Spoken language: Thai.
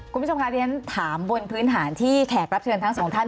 คุณผู้ชมคะที่ฉันถามบนพื้นฐานที่แขกรับเชิญทั้งสองท่าน